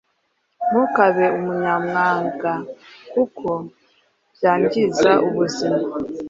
Ntukabe umunyamwaga kuko byangiza ubuzima